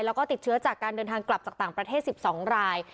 แล้วก็ติดเชื้อจากการเดินทางกลับจากต่างประเทศ๑๒ราย